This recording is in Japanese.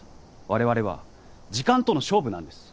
我々は時間との勝負なんです。